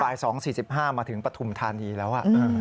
๒๔๕มาถึงปฐุมธานีแล้ว